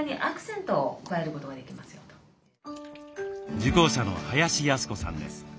受講者の林泰子さんです。